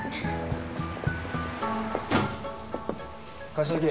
柏木